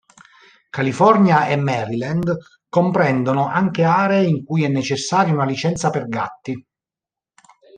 California e Maryland comprendono anche aree in cui è necessaria una licenza per gatti.